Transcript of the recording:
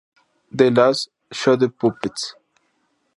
The Last Shadow Puppets